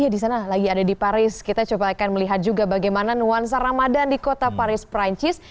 di sana lagi ada di paris kita coba akan melihat juga bagaimana nuansa ramadan di kota paris perancis